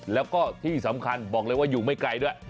แล้วก็ที่สำคัญบอกเลยว่าอยู่ไม่ไกลด้วย